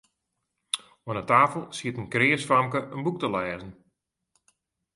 Oan 'e tafel siet in kreas famke in boek te lêzen.